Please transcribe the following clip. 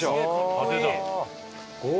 派手だ。